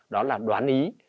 đó là đoán ý